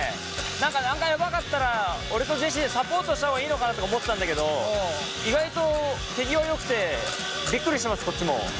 何かヤバかったら俺とジェシーでサポートした方がいいのかなとか思ってたんだけど意外と手際よくてびっくりしてますこっちも。